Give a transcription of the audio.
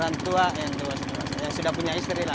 rantua yang tua sekolah yang sudah punya istri lah